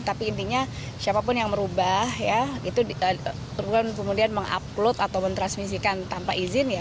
tapi intinya siapapun yang merubah kemudian mengupload atau mentransmisikan tanpa izin